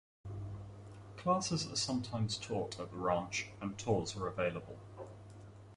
Classes are sometimes taught at the ranch and tours are available.